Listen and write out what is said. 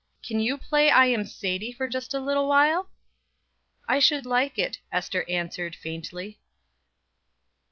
Can you play I am Sadie for just a little while?" "I should like it," Ester answered faintly.